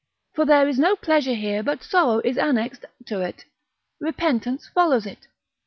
For there is no pleasure here but sorrow is annexed to it, repentance follows it.